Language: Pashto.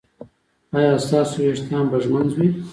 ایا ستاسو ویښتان به ږمنځ وي؟